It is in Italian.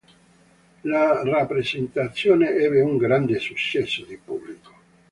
La rappresentazione ebbe un grande successo di pubblico.